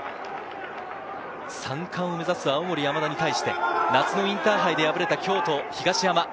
３冠を目指す青森山田に対して、夏のインターハイで敗れた京都・東山。